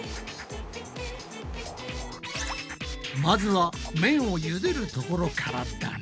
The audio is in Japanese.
まずは麺をゆでるところからだな。